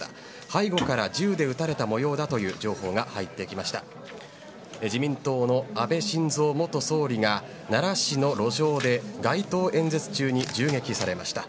背後から銃で撃たれた模様だという情報が入ってきました自民党の安倍晋三元総理が奈良市の路上で街頭演説中に銃撃されました。